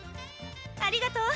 ありがとう！